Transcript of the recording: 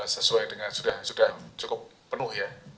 sesuai dengan sudah cukup penuh ya